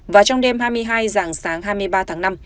và trong đêm hai mươi hai dạng sáng hai mươi ba tháng năm